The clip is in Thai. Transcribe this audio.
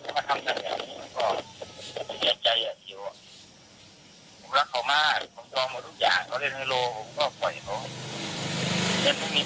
ผมรักเขามากพี่หวันอยู่ในปากไหน